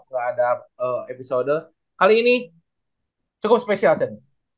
setelah ada episode kali ini cukup spesial can